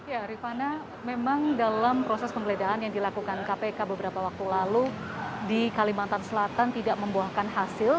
ya rifana memang dalam proses penggeledahan yang dilakukan kpk beberapa waktu lalu di kalimantan selatan tidak membuahkan hasil